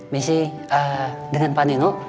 misi dengan pak nino